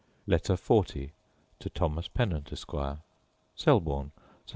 Letter XL To Thomas Pennant, Esquire Selborne, Sept.